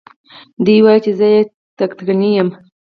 دى وايي چې زه يې ټکټنى يم.